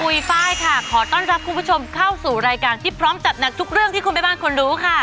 ป้ายค่ะขอต้อนรับคุณผู้ชมเข้าสู่รายการที่พร้อมจัดหนักทุกเรื่องที่คุณแม่บ้านควรรู้ค่ะ